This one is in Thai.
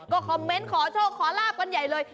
คอมเมนต์ขอโชคขอลาบกันใหญ่เลย